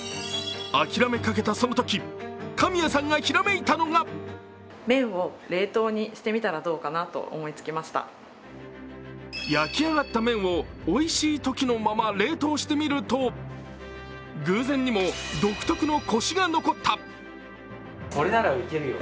諦めかけたそのとき神谷さんがひらめいたのは焼き上がった麺をおいしいときのまま冷凍してみると偶然にも独特のコシが残った。